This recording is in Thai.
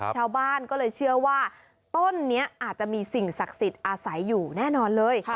ชาวบ้านก็เลยเชื่อว่าต้นนี้อาจจะมีสิ่งศักดิ์สิทธิ์อาศัยอยู่แน่นอนเลย